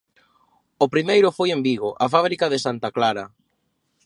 O primeiro foi en Vigo, a fábrica de Santa Clara.